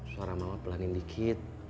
suara mama pelanin dikit